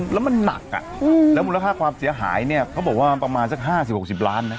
แล้วมันหนักแล้วมูลค่าความเสียหายเนี่ยเขาบอกว่าประมาณสัก๕๐๖๐ล้านนะ